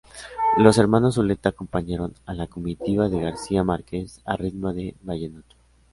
Los Hermanos Zuleta acompañaron a la comitiva de García Márquez a ritmo de vallenato.